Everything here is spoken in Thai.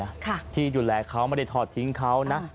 เขาก็ขอบคุณคนไทยนะที่อยู่แลเขาไม่ได้ถอดทิ้งเขานะ